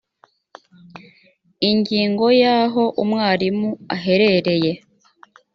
ingingo ya aho umwarimu aherereye